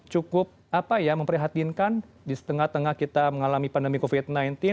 cukup memprihatinkan di setengah tengah kita mengalami pandemi covid sembilan belas